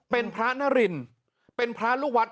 เป็นพระนรินเป็นพระลูกวัด